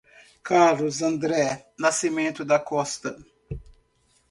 Carlos André Nascimento da Costa